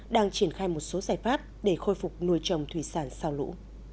đang triển khai một số giải pháp để khôi phục nuôi trồng thủy sản sau lũ